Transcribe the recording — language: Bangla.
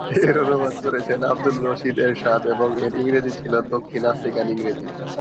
এর অনুবাদ করেছেন আবদুল রশিদ এরশাদ এবং এর ইংরেজি ছিল দক্ষিণ আফ্রিকান ইংরেজি।